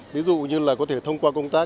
ví dụ như là có thể thông qua các đối tượng